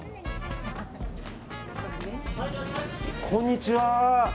こんにちは。